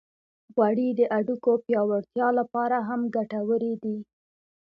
غوړې د هډوکو پیاوړتیا لپاره هم ګټورې دي.